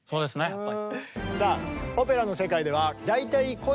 やっぱり。